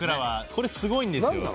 これすごいんですよ。